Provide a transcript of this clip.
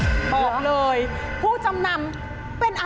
หรือใครกำลังร้อนเงิน